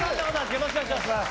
よろしくお願いします。